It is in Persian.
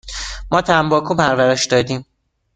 ما تنباکو پرورش دادیم.